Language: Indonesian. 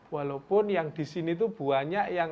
walaupun yang disini itu banyak yang